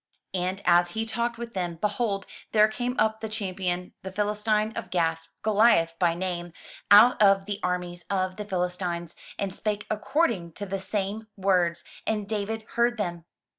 And as he talked with them, behold, there came up the champion, the Philistine of Gath, Goliath by name, out of the armies of the Philistines, and spake according to the same words; and David heard them.